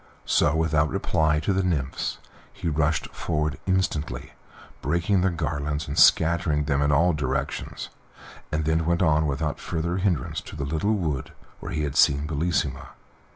So, without reply to the nymphs, he rushed forward instantly, breaking their garlands, and scattering them in all directions; and then went on without further hindrance to the little wood where he had seen Bellissima.